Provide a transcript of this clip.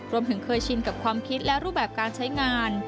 รวมถึงเคยชินกับความคิดและรูปแบบการใช้งาน